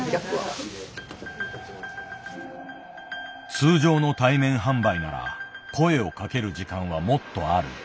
通常の対面販売なら声をかける時間はもっとある。